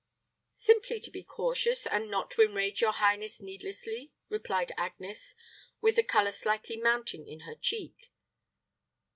"Simply to be cautious, and not to enrage your highness needlessly," replied Agnes, with the color slightly mounting in her cheek.